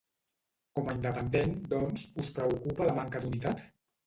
Com a independent, doncs, us preocupa la manca d’unitat?